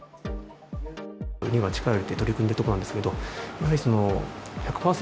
今、力を入れて取り組んでいるところなんですけれども、やはり１００％